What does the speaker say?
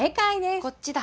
こっちだ。